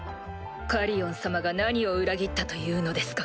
カリオン様が何を裏切ったというのですか。